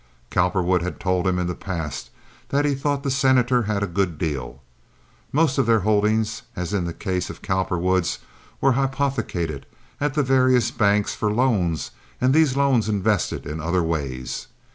Cowperwood had told him in the past that he thought the Senator had a good deal. Most of their holdings, as in the case of Cowperwood's, were hypothecated at the various banks for loans and these loans invested in other ways.